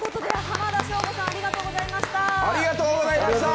浜田省吾さん、ありがとうございました。